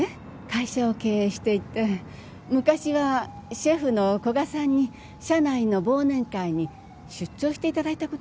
会社を経営していて昔はシェフの古賀さんに社内の忘年会に出張していただいたこともあるの。